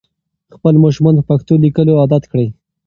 خپل ماشومان په پښتو لیکلو عادت کړئ.